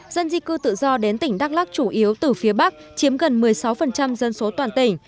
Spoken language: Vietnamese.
dân di cư tự do đến tỉnh đắk lắc chủ yếu từ phía bắc chiếm gần một mươi sáu dân số toàn tỉnh